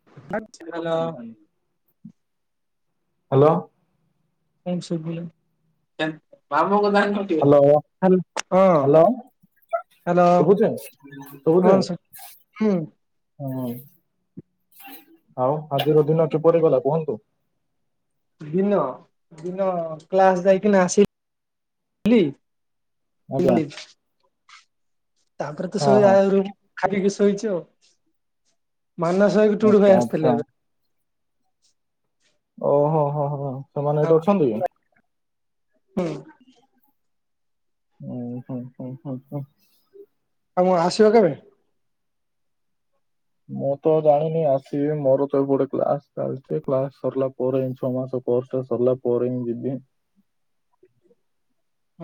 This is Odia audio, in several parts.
[unintelligible] ହ୍ୟାଲୋ। କଣ ସୁବ ବାପଙ୍କ ଦ [inaudible] ହ୍ୟାଲୋ, ହ୍ୟାଲୋ। ହ୍ୟାଲୋ ସୁବୁଛି, ହଁ ସୁବୁଛି? ହୁଁ ହୁଁ, ଆଉ ଆଜିର ଦିନ କିପରି ଗଲା କୁହନ୍ତୁ? ଦିନ, ଦିନ କ୍ଲାସ ଯାଇକନା ଆସିଥିଲି। ହ ଆଜ୍ଞା [unintelligible] ତାପରେ ତ ହଁ ଶୋଇ ଆ ହଁ ଖାଇକି ଶୋଇଛି ଆଉ। ମାନସ ଠୁ ଆଚ୍ଛା ଭାଇ ଆଚ୍ଛା ଆସିଥିଲେ ଏବେ। ଓହୋ। ହୋ, ହୋ। ସେମାନେ ଏଠି ହଁ, ଅଛନ୍ତି ହୁଁ। ଓ ହୁଁ, ହୁଁ, ହୁଁ। ଆଉ ମୁଁ ଆସିବ କେବେ? ମୁଁ ତ ଜାଣିନି ଆସିବି ମୋର ତ ଏ ଗୋଟେ କ୍ଲାସ ଚାଲିଛି କ୍ଲାସ ସରିଲା ପରେ ଛଅ ମାସ। ପ୍ଲସ୍ ଟୁ ସରିଲା ପରେ ହିଁ ଯିବି।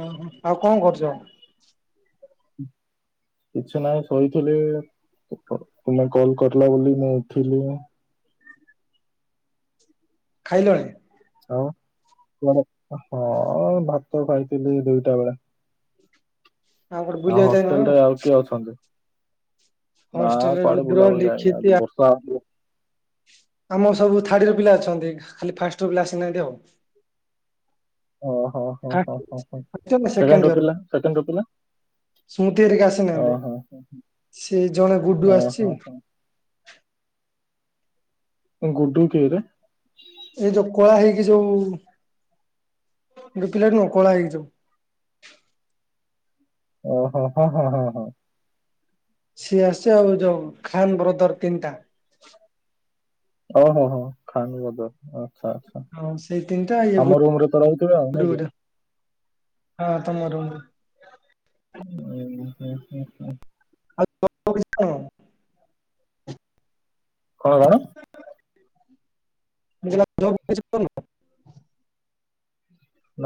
ଓ ହୋ ଆଉ କଣ କରୁଛ? ହୁଁ। କିଛି ନାହିଁ ଶୋଇଥିଲି ତୁମେ କଲ କରିଲ ବୋଲି ମୁଁ ଉଠିଲି। ଖାଇଲଣି। ହଁ, ଆ ହଁ ଭାତ ଖାଇଥିଲି ଦୁଇଟା ବେଳେ। ଗୋଟେ ଆଉ ବୁଲିବାକୁ ଯାଇନ ହଷ୍ଟେଲ ରେ ଆଉ କିଏ ଅଛନ୍ତି। ନା ହଷ୍ଟେଲରେ କୁଆଡେ ରୁଦ୍ର ବୁଲାବୁଲି ଯାଇନି ଲିଖିତ ଆଜି ବର୍ଷା ଆମର ସବୁ ଥାର୍ଡ ୟଅର ପିଲା ଅଛନ୍ତି ଖାଲି ଫାଷ୍ଟ ୟର ପିଲା ଆସିନାହାନ୍ତି ଆଉ। ଓ ହୋ ହୋ ହ ହ ହ ସେକେଣ୍ଡ ସେକେଣ୍ଡିୟର ଇୟର ପିଲା ସେକେଣ୍ଡର ପିଲା ସ୍ମୃତି ହେରିକା ଆସିନାହାନ୍ତି ଓହୋ, ସେ ଜଣେ ଗୁଡୁ ଓ ଆସିଛି ହ ହ ଗୁଡୁ କିଏ ରେ? ଏଇ ଯୋଉ କଳା ହେଇକି ଯୋଉ ଗୋଟେ ପିଲା ନୁହଁ କଳା ହେଇକି ଯୋଉ। ଓ ହୋ ହୋ ହୋ ହଁ ହଁ। ସିଏ ଆସିଚି ଆଉ ଯୋଉ ଖାନ୍ ବ୍ରଦର ତିନିଟା। ଓହୋ ହୋ ଖାନ୍ ବଦର ଆଛା। ହଁ ସେଇ ତିନିଟା ଇଏ ଆମ ରୁମ ରେ ତ ରହୁଥିବେ ଆଉ ଗୁଡୁ ନାଇଁ କି? ଗୋଟେ ହଁ ତମ ରୁମ୍ ଉ ହୁଁ ହୁଁ ହୁଁ। ଆଉ [unintelligible] କଣ କଣ? [unintelligible]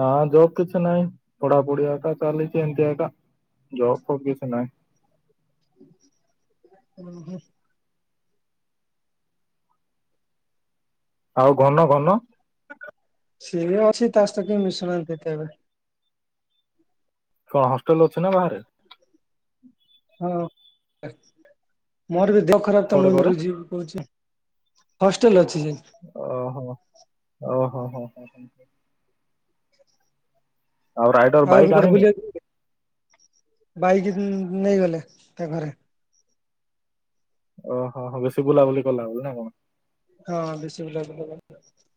ନା ଜବ୍ କିଛି ନାହିଁ, ପଢାପଢି ଏକା ଚାଲିଛି ଏମତି ଏକା ଜବ ଫବ କିଛି ନାହିଁ। ହୁଁ ହୁଁ। ଆଉ ଘନ ଘନ ସିଏ ଅଛି ତା ସହିତ କିଏ ମିଶୁନାହାନ୍ତି କେବେ। କଣ ହଷ୍ଟେଲରେ ଅଛୁ ନା ବାହାରେ? ହଁ ହଁ, ମୋର ବି ଦେହ ଖରାପ ତ କୋଉଠେ ମୁଁ କୋଉଠେ ମରିଯିବି କହୁଛି। ହଷ୍ଟେଲ ଅଛି ସେ। ଓହୋ ଓହୋ ହୋ ହ ଆଉ ରାଇଡର ଆଉ ଏବେ ବାଇକ୍ କୁଆଡ଼େ ଆଣିନି ବୁଲିବା କୁ, ବାଇକି ନେଇଗଲେ ତା ଘରେ। ଓହୋ ହୋ ବେଶୀ ବୁଲାବୁଲି କଲା ବୋଲି ନା କଣ? ହଁ ବେଶୀ ବୁଲା ବୁଲି। [unintelligible]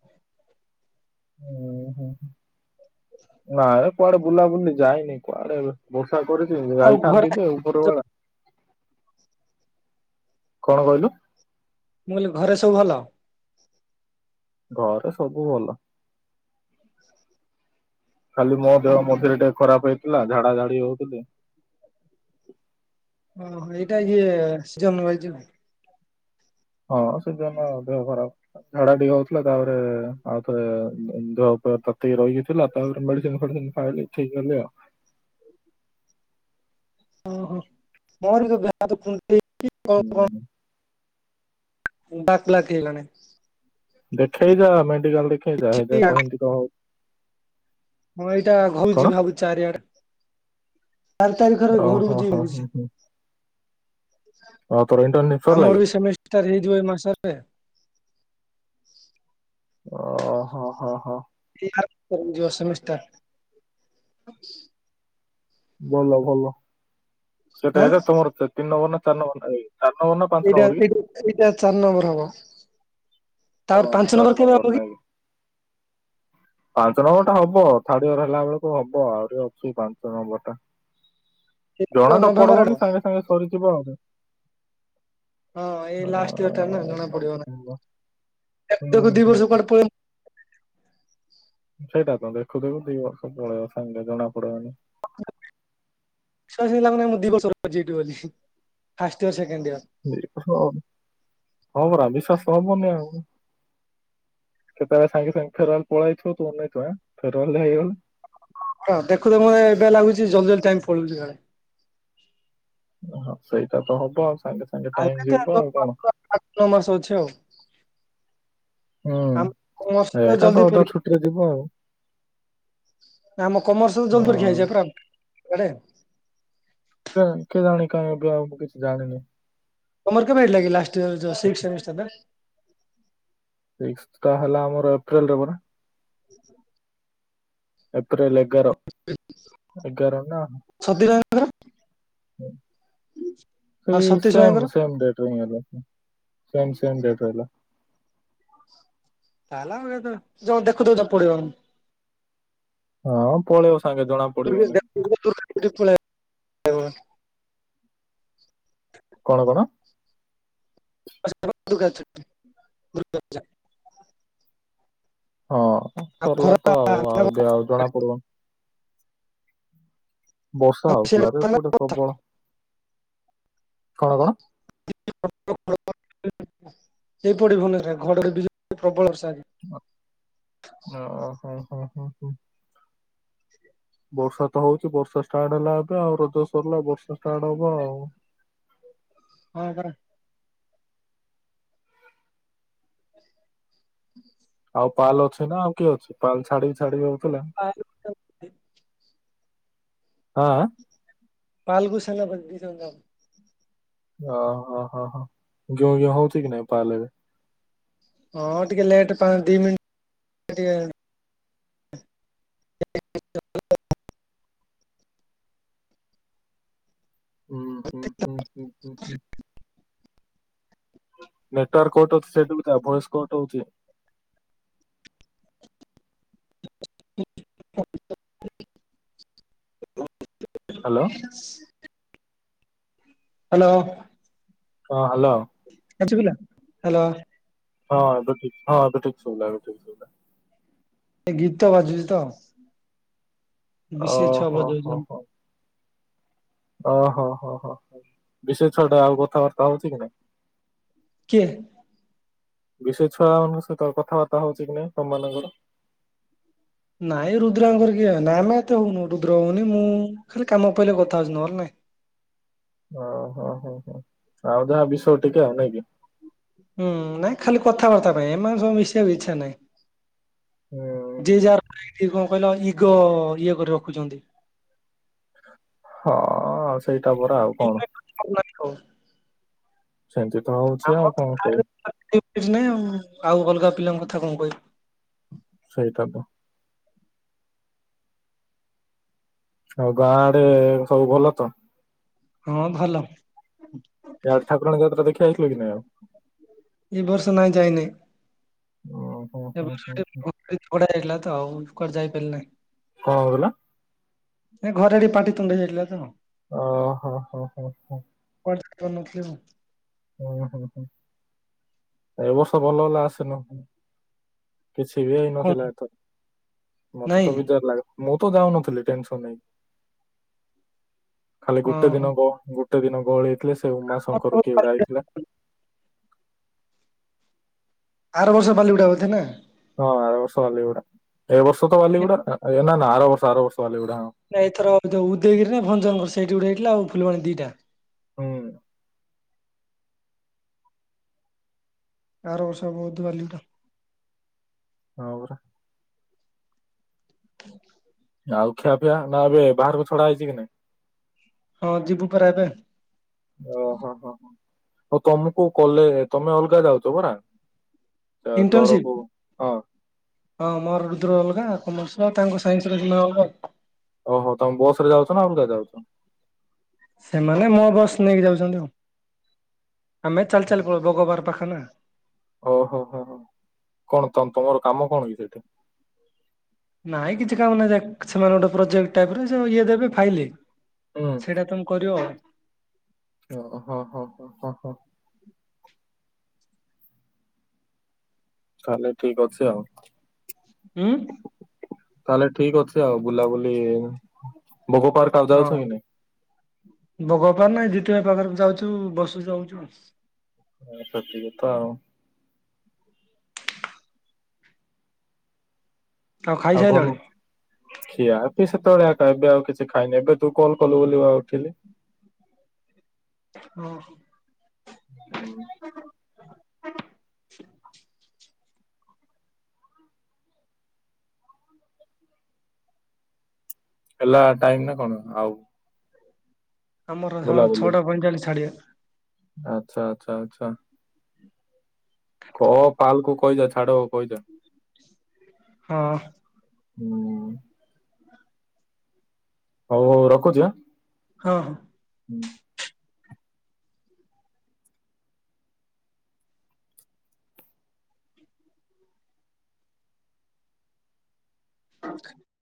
ହୁଁ ହଁ, ନାଇ କୁଆଡେ ବୁଲାବୁଲି ଯାଇନି, କୁଆଡେ ବର୍ଷା କରିଛି, ଆଉ ଘରେ ଯାଇଥାନ୍ତି ଯେ ମୁଁ ଉପର ବେଳା କଣ କହିଲୁ? ମୁଁ କହିଲି ଘରେ ସବୁ ଭଲ? ଘରେ ସବୁ ଭଲ। ହ ଖାଲି ମୋ ଦେହ ମଝିରେ ଟିକେ ଖରାପ ହେଇଥିଲା, ଝାଡା ଝାଡି ହଉଥିଲି। ଓହୋ ଏଇଟା ଇଏ ସିଜନ୍ ୱାଇଜ୍ [unintelligible] ହଁ ସିଜନ ଦେହ ଖରାପ। ଝାଡା ଟିକେ ହଉଥିଲା, ତାପରେ ଆଉ ଥରେ ଦେହ ପୁରା ତାତିକି ରହିକି ଥିଲା। ତାପରେ ମେଡିସିନ ଫେଡିସିନ ଖାଇଲି ଠିକ ହେଲେ ଆଉ। ଓହୋ ମୋର ବି ତ ଦେହ ହାତ କୁଣ୍ଢେଇକି କଣ କଣ ହୁଁ [unintelligible] ହେଇଲାଣି। ଦେଖେଇଯା ମେଡିକାଲ ଦେଖେଇଯା। [unintelligible] ହଁ ଏଇଟା [unintelligible] କଣ ଯିବି ଭାବୁଛି ଚାରିଆଡେ। ଚାରି ତାରିଖରେ ଓହୋ ଘରୁକୁ ଯିବି ହୋ ହୁଁ ଭାବୁଛି। ହୁଁ ଆଉ ତୋର ଇଣ୍ଟର୍ନସିପ ସରିଲା କି ଆମର ବି ସେମିଷ୍ଟାର ହେଇଯିବ ଏଇ ମାସରେ। ଓ ହୋ ହୋ ହୋ ଯିଭା ତ ଯୋ ସେମିଷ୍ଟା [inaudible] ଭଲ ଭଲ ସେଟା ଆଁ ଏଇନା ତୋମର ତିନି ନମ୍ବର ନା ଚାରି ନମ୍ବର ଏଇ ଚାରି ନମ୍ବର ନା ପାଞ୍ଚ ଏଇଟା, ନମ୍ବର କି ଏଇଟା, ଏଇଟା ଚାରି ନମ୍ବର ହବ। ହଁ ତାପରେ ପାଞ୍ଚ ଚାର କେବେ ହବ ନମ୍ବର ନା କି? ପାଞ୍ଚ ନମ୍ବର ଟା ହବ ଥାର୍ଡ ଇୟର୍ ହେଲା ବେଳକୁ ହବ ଆହୁରି ଅଛି ପାଞ୍ଚ ନମ୍ବର ଟା। ଜଣା ତ ନଭେମ୍ବର ପଡବନି ଆଡକୁ ସାଙ୍ଗେ ସାଙ୍ଗେ ସରିଯିବ ଆଉ ସେ। ହଁ ଏଇ ଲାଷ୍ଟ ଇୟର୍ ଟା ନା ଜଣା ପଡିବ ନବେ ନା, ନମ୍ବର। ଏ ହୁଁ [unintelligible] ଦି ହୁଁ ବର୍ଷ କୁଆଡେ ପଳେଇ ସେଇଟା ତ ଦେଖୁ ଦେଖୁ ଦି ବର୍ଷ ପଳେଇବ ସାଙ୍ଗେ ଜଣା ପଡିବନି। ବିଶ୍ବାସ [unintelligible] ଲାଭ ନାହିଁ ମୁଁ ଦି ବର୍ଷ ର [inaudible] ଯିବି ବୋଲି ଫାଷ୍ଟ ଇୟର୍ ସେକେଣ୍ଡ ଇୟର୍। ବି- ହଁ ହଁ ପରା ବିଶ୍ବାସ ହବନି ଆଉ। କେତେବେଳେ ସାଙ୍ଗେ ସାଙ୍ଗେ ଫେରୱାଲ ପଳେଇଥିବ ତୁ ଅନେଇଛୁ ଆଁ, ଫେରୱାଲ ହେଇଗଲେ ହଁ ଦେଖୁ ଦେଖୁ ଏ ଏବେ ଲାଗୁଛି ଜଲଦି ଜଲଦି ଟାଇମ୍ ପଳଉଛି ସାଡେ। ଓ ହଁ, ସେଇଟା ତ ହବ ଆଉ ସାଙ୍ଗେ ସାଙ୍ଗ ଆଉ କେତେ ମାସ [inaudible] ଆଠ ମାସ ଅଛି ଆଉ। ହଁ ଆମ କମର୍ସ ଏଇଟା ତ ଜଲଦି ଅଧା ପରୀକ୍ଷା ଛୁଟିରେ ଯିବ ଆଉ। ନା ଆମ କମର୍ସଲ ଜୋନ୍ ହଁ ପରୀକ୍ଷା ହେଇଛି [unintelligible] କେ କେଜାଣି କ-ବ-କିଛି ଜାଣିନିି। ତୋମର କେବେ ହେଇଥିଲା କି ଲାଷ୍ଟ ଇୟର୍ ଯେ ସିକ୍ସ ସେମିଷ୍ଟାର ଟା? ସିକ୍ସ ଟା ହେଲା ଆମର ଏପ୍ରିଲ ରେ ପରା। [inaudible] ଏପ୍ରିିଲ ଏଗାର, ଏଗାର ନା ସତୀଶ ଭାଇଙ୍କର ହଁ ଆଉ ସେଇ ସତୀଶ ସେମ୍ ଭାଇଙ୍କର ସେମ୍ ଡେଟ୍ ରେ ହିଁ ହେଲା। [inaudible] ସେମ୍ ସେମ୍ ଡେଟ୍ ରହିଲା। ତାହେଲେ ଆଉ କେତଳ ଯୋଉ ଦେଖୁଥିବ [unintelligible] ପଡିବନି। ହଁ ପଳେଇବ ସାଙ୍ଗେ ଜଣା ପଡିବନି [inaudible] ହ କଣ କଣ? [inaudible] ହଁ ସରିଲା ତ ଆଉ, ଆଉ ଏବେ ଆଉ ଜଣାପଡିବ। ବର୍ଷା ହଉଥିଲା ରେ ଏପଟେ ପ୍ରବଳ। କଣ କଣ? [inaudible] ଏଇପଟେ ବି [unintelligible] ଥାଏ, ଘଡଘଡି ବିଜୁଳି ପ୍ରବଳ ବର୍ଷା ଆଜି। ଓ ଅ, ହୋ, ହୋ, ହୋ, ହୋ। ବର୍ଷା ତ ହଉଛି, ବର୍ଷା ଷ୍ଟାର୍ଟ ହେଲା ଏବେ, ଆଉ ରଜ ସରିଲା ବର୍ଷା ଷ୍ଟାର୍ଟ ହବ ଆଉ। ହଁ ପରା। [inaudible] ଆଉ ପାଲ ଅଛି ନା ଆଉ କିଏ ଅଛି? ପାଲ ଛାଡିିବି ଛାଡିବି ହଉଥିଲା। ହଁ। ପାଲ କୁ ସାଙ୍ଗ ରେ ଧରିକି [unintelligible] ଓ ହୋ, ହୋ, ହୋ ଗେଁ ଗେଁ ହୋଉଛି କି ନାଇଁ ପାଲ ଏବେ? ହଁ ଟିକେ ଲେଟ୍ ପାଁ- ଦି ମିନ୍ ଟିକେ [inaudible] ଆଚା [inaudible] ହୁଁ ହୁଁ ହୁଁ ହୁଁ ନେଟୱାର୍ କଟ ଅଛି ସେଠୁକୁ ଯାଓ ଭଏସ କଟ ହଉଛି [inaudible] ହ୍ୟାଲୋ ହଁ ହ୍ୟାଲୋ ଏବେ ଶୁଭିଲା ହ୍ୟାଲୋ। ହଁ ଏବେ ଠିକ୍ ହଁ ଏବେ ଠିକ୍ ସୁବିଲା ଏବେ ଠିକ୍ ଶୁଭିଲା। ଏ ଗୀତ ବାଜୁଛି ତ ବିଶେ ଛୁଆ ଆହାହାହା, ବଜଉଛନ୍ତି। ଓହୋ ହୋ ହୋ ହୋ ବି ଶି ଏ ଛୁଆ ଟେ ଆଉ କଥାବାର୍ତ୍ତା ହଉଛି କି ନାଇଁ। କିଏ। ବି ସି ଏ ଛୁଆ ମାନଙ୍କ ସହିତ କଥାବାର୍ତ୍ତା ହଉଛି କି ନାଇଁ ତମ ମାନଙ୍କର ନାଇଁ ରୁଦ୍ରା ବୁ କିଏ ନା ଆମ ଏତେ ହଉନୁ ରୁଦ୍ର ହଉନି ମୁଁ ଖାଲି କାମ ପାଇଲେ କଥା ହଉଛୁ ନ ହେଲେ ନାଇଁ। ଓହୋ ହୋ ହୋ ଆଉ ଯାହା ବିଷୟ ଟିକେ ଆଉ ନାଇକି। ହୁଁ ନାଇଁ ଖାଲି କଥାବାର୍ତ୍ତା ପାଇଁ ଏମାନ ସବୁ ମିଶିବାକୁ ଇଚ୍ଛା ନାହିଁ। ଯେ ହୁଁ, ଯାହାର [inaudible] କଣ କହିଲ ଇଗୋ ଇଏ କରି ରଖୁଛନ୍ତି। ହଁ ସେଇଟା ପରା ଆଉ କଣ। [inaudible] ଅପ ନାନି କୋ। ସେମିତି ତ ଆଉ। ଆମ କଣ ଗାଁ କହିବି ରେ [inaudible] କିଛି ନାଇଁ ଆଉ ଅଲଗା ପିଲାଙ୍କ କଥା କଣ କହିବି। ସେଇଟାତ। ଆଉ ଗାଁ ଆଡେ ସବୁ ଭଲ ତ। ହଁ ଭଲ। ଏ ଆଡେ ଠାକୁରାଣି ଯାତ୍ରା ଦେଖିଆଇ ଥିଲୁ କି ନାହିଁ ଆଉ। ଏ ବର୍ଷ ନାଇଁ ଯାଇ ନାହିଁ। ଓ ହୋ। ଏ ବର୍ଷ ହୋ [inaudible] କଡା ଯାଇଥିଲା ତ ଆଉ କୁଆଡେ ଯାଇପାରିଲି ନାହିଁ। କଣ [inaudible] ଗଲା। ଏ ଘରେ ଟିକେ ପାଟି ତୁଣ୍ଡ ହେଇଯାଏ ଥିଲା ତ ଓ ହଁ ହଁ ହଁ ହଁ। କୁଆଡେ ଯାଇ ପାରୁନ ଥିଲି ମୁଁ ହୁଁ ହୁଁ ହୁଁ ଏ ବର୍ଷ ଭଲ ହେଲା ଆସିନ। କିଛି ବି କଣ ହେଇନଥିଲା ଏଥର ମତେ ନାଇଁ ତ ବିଜାର ଲାଗେ। ମୁଁ ତ ଯାଉନଥିଲି ଟେନସନ ହେଇକି ଖାଲି ଗୋଟେ ଓହୋ। ଦିନ ବ ଗୋ ଗୋଟେ ଦିନ ଗହଳି ହେଇଥିଲେ ସେ ଉମାଶଙ୍କର କିଏ ଗୋଟେ ଆଇଥିଲା। ଆର ବର୍ଷ ବାଲିଗୁଡ଼ା ବଧେ ନା। ହଁ ଆର ବର୍ଷ ବାଲିଗୁଡା ଏ ବର୍ଷ ତ ବାଲିଗୁଡା ନା ନା ଆର ବର୍ଷ ଆର ବର୍ଷ ବାଲିଗୁଡା ହଁ। ନାଇଁ ଏଥର ଉ ଉଦୟଗିରିରେ ଭଞ୍ଜନଗର ସେଇଠି ଗୋଟେ ହେଇଥିଲା ଆଉ ଫୁଲବାଣୀ ଦିଟା। ହୁଁ। ଆର ବର୍ଷ ହେବ ବଧେ ବାଲିଗୁଡା। ହଁ ପରା। Thank you. [inaudible] ଆଉ ଖିଆ ପିଆ ନା ଏବେ ବାହାରକୁ ଛଡା ହେଇଛି କି ନାଇଁ ହଁ ଯିବୁ ପରା ଏବେ। ଓହୋ। ହ, ହ, ହ ତମକୁ କଲେ ତମେ ଅଲଗା ଯାଉଛ ଭଡା। Internship. ହଁ ହଁ ମୋର ରୁଦ୍ର ଅଲଗା। କମର୍ସ ତାଙ୍କ ସାଇନ୍ସ ର କିମା ଅଲଗା ଓ ହୋ, ତମ୍ ବସରେ ଯାଉଚନା ଆଉ କୋଉଟାରେ ଯାଉଚ। ସେମାନେ ମୋ ବସ୍ ନେଇକି ଯାଉଛନ୍ତି ଆଉ। ଆମେ ଚାଲି ଚାଲି ପଲ ଘର ପାଖନା। ଓହୋ। ହୋ, ହୋ କଣ ତମ ତମର କାମ କଣକି ସେଇଟି। ନାଇଁ କିଛି କାମ ନାହିଁ। ସେ ସେମାନେ ଗୋଟେ ପ୍ରୋଜେକ୍ଟ ଆଗରୁ ଇଏ ଦେବେ ଫାଇଲେ। ହୁଁ ସେଇଟା ତମ କରିବ ଆଉ। ଓହୋ। ହଁ -ହଁ -ହଁ- ହଁ- ହଁ। ତାହେଲେ ଠିକ ଅଛି ଆଉ। ହୁଁ। ତାହେଲେ ଠିକ ଅଛି ଆଉ। ବୁଲାବୁଲି ଭୋଗ ପାର୍କ ଆଉ ଯାଉଛ ହଁ କି ନାଇଁ? ବଗପାର ନାହିଁ ଦିତିବ ପାଖରେ ଯାଉଛୁ, ବସ ଯାଉଛୁ ଆସ ଆ ସଠ କଥା ଆଉ ଆଉ ଘରୁ ଖିଆ ଏ ପି ସେତେବେଳେ। ଏବେ ଆଉ କିଛି ଖାଇନି। ଏବେ ତୁ କଲ କଲୁ ବୋଲି ଉଠିଲି। ହଁ। ହୁଁ। ହେଲା ଟାଇମ ନା କଣ ଆଉ। ଆମର ହଁ ବୁଲାବୁଲି ଛଅଟା ପଇଁଚାଳିଶ ଛାଡିଆ। ଆଚ୍ଛା, ଆଚ୍ଛା, ଆଚ୍ଛା। କ ପାଲକୁୁ କହିଦ ଛାଡ କହି ଯା। ହଁ। ହୁଁ। ହଉ, ହଉ ରଖୁଚି ହା। ହଁ, ହଁ। ହୁଁ। [inaudible]